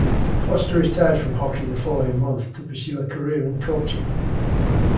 Foster retired from hockey the following month to pursue a career in coaching.